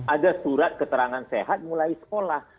ada surat keterangan sehat mulai sekolah